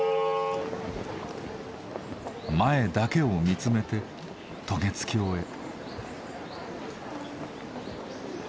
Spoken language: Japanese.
前だけを見つめて渡月橋へ。